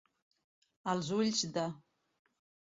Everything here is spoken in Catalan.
Als ulls de.